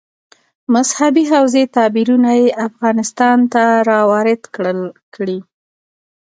مذهبي حوزې تعبیرونه یې افغانستان ته راوارد کړي.